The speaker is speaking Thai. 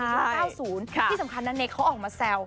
ที่สำคัญณเนคเขาออกมาแซว